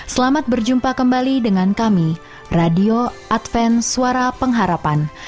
selamat berjumpa kembali dengan kami radio adven suara pengharapan